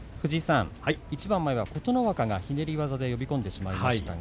一番前は琴ノ若がひねり技で呼び込んでしまいました。